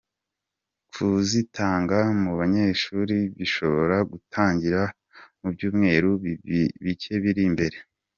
Kuzitanga mu banyeshuri bishobora gutangira mu byumweru bike biri imbere.